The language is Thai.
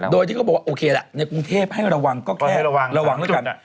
โดยที่เขาบอกว่าโอเคละในกรุงเทพให้ระวังก็แค่ระวังด้วยกัน